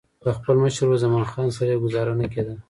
له خپل مشر ورور زمان خان سره یې ګوزاره نه کېدله.